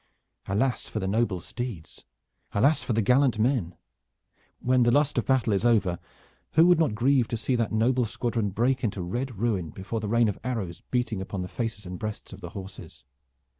Alas for the noble steeds! Alas for the gallant men. When the lust of battle is over who would not grieve to see that noble squadron break into red ruin before the rain of arrows beating upon the faces and breasts of the horses?